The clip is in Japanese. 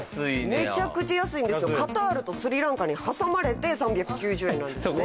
めちゃくちゃ安いんですよカタールとスリランカにはさまれて３９０円なんですね。